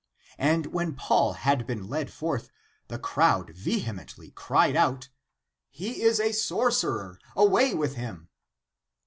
And when Paul had been led forth, the crowd vehe mently cried out, " He is a sorcerer, away with him!